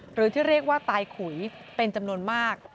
หรือที่เรียกว่าตายขุยเป็นจำนวนมาก